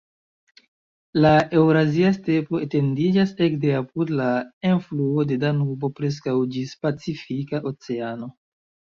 La Eŭrazia Stepo etendiĝas ekde apud la enfluo de Danubo preskaŭ ĝis Pacifika Oceano.